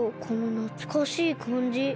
このなつかしいかんじ。